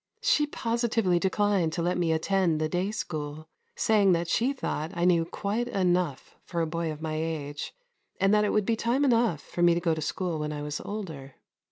She positively declined to let me attend the day school, saying that she thought I knew quite enough for a boy of my age, and that it would be time enough for me to go to school when I was older.